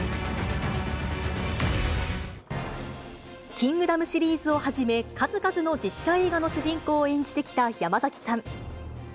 キングダムシリーズをはじめ、数々の実写映画の主人公を演じてきた山崎さん。